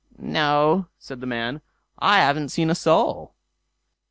"No", said the man, "I haven't seen a soul."